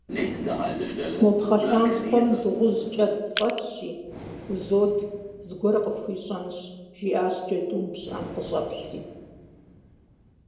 - Мо пхъэлъантхъуэм дыгъужь кӏэбдз фӏэлъщи, узот, зыгуэр къыфхуищӏэнщ, - жиӏащ джэдум, пщыӏэм къыщӏэплъри.